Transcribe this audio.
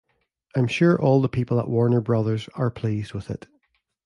I'm sure all the people at Warner Brothers are pleased with it.